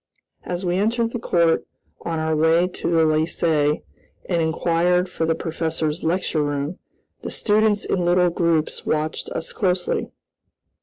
As we entered the court, on our way to the Lycée and inquired for the professor's lecture room, the students in little groups watched us closely.